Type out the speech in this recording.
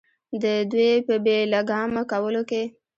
د دوي پۀ بې لګامه کولو کښې